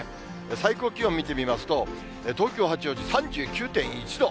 最高気温見てみますと、東京・八王子、３９．１度。